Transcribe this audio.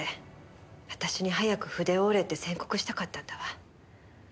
私に早く筆を折れって宣告したかったんだわ。